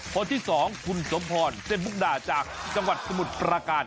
คนที่๒คุณสมพรเส้นมุกดาจากจังหวัดสมุทรปราการ